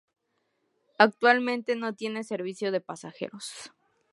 Actualmente no tiene servicio de pasajeros.